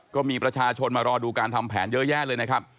ก็มีประชาชนมารอดูการทำแผนเยอะแยะเลยนะครับ